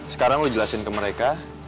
sekarang udah jelasin ke mereka